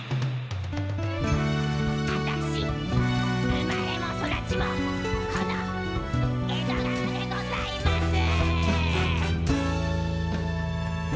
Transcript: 「あたし生まれも育ちもこの江戸川でございます」。